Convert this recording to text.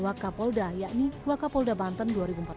wak kapolda yakni wak kapolda banten dua ribu empat belas